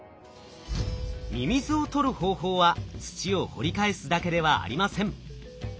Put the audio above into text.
ミミズを捕る方法は土を掘り返すだけではありません。